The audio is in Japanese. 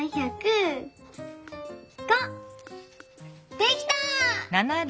できた！